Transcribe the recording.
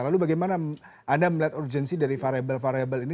lalu bagaimana anda melihat urgensi dari variable variable ini